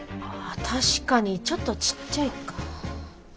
確かにちょっとちっちゃいか。